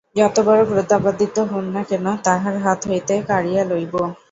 যতবড়ো প্রতাপাদিত্য হউন না কেন, তাঁহার হাত হইতে কাড়িয়া লইব।